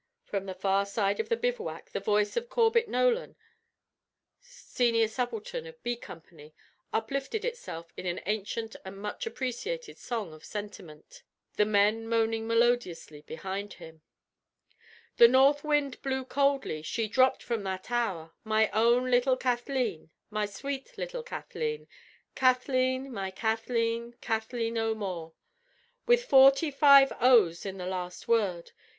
From the far side of the bivouac the voice of Corbet Nolan, senior subaltern of B Company, uplifted itself in an ancient and much appreciated song of sentiment, the men moaning melodiously behind him: "The north wind blew coldly, she dropped from that hour, My own little Kathleen, my sweet little Kathleen, Kathleen, my Kathleen, Kathleen O'Moore!" with forty five o's in the last word.